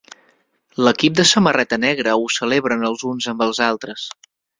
L'equip de samarreta negra ho celebren els uns amb els altres.